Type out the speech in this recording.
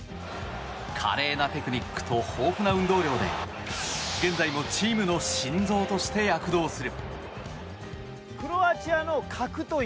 華麗なテクニックと豊富な運動量で現在もチームの心臓として躍動する。